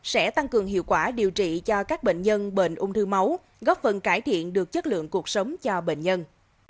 sẽ tăng cường hiệu quả điều trị cho các bệnh nhân bệnh ung thư máu góp phần cải thiện được chất lượng cuộc sống cho bệnh nhân